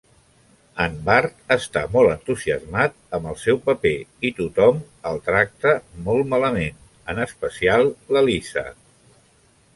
En Bart està molt entusiasmat amb el seu paper i tothom el tracta molt malament, en especial la Lisa.